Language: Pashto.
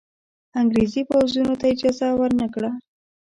انګرېزي پوځونو ته اجازه ورنه کړه.